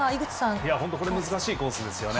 これ、本当難しいコースですよね。